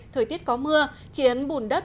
thời tiết có mưa khiến bùn đất